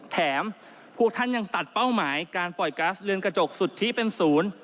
แถมพวกท่านยังตัดเป้าหมายการปล่อยก๊าซเรือนกระจกสุทธิเป็นศูนย์